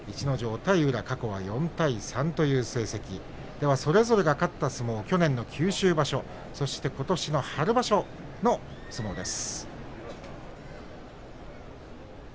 ４対３という成績それぞれが勝った相撲去年の九州場所、そしてことしの春場所の相撲です。